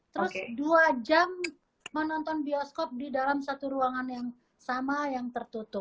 terus dua jam menonton bioskop di dalam satu ruangan yang sama yang tertutup